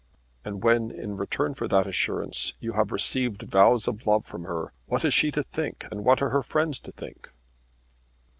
"And when in return for that assurance you have received vows of love from her, what is she to think, and what are her friends to think?"